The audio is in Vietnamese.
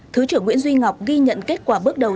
thứ trưởng nguyễn duy ngọc ghi nhận kết quả bước đầu